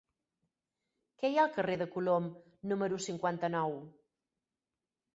Què hi ha al carrer de Colom número cinquanta-nou?